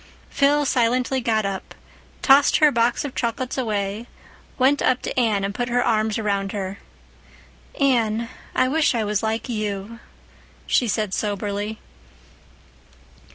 Phil silently got up, tossed her box of chocolates away, went up to Anne, and put her arms about her. "Anne, I wish I was like you," she said soberly.